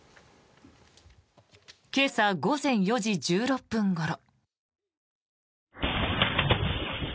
今朝午前４時１６分ごろ。